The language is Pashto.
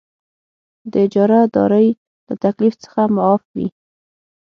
د اجاره دارۍ له تکلیف څخه معاف وي.